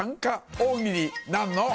大喜利なの。